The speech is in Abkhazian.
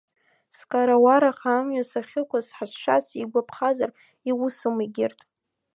Скарауараха амҩа сахьықәыз ҳазшаз сигәаԥхазар иусым егьырҭ.